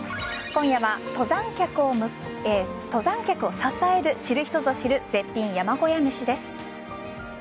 今夜は登山客を支える知る人ぞ知る絶品山小屋めしです。